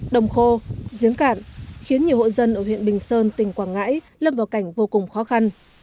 đồng khô giếng cạn khiến nhiều hộ dân ở huyện bình sơn tỉnh quảng ngãi lâm vào cảnh vô cùng khó khăn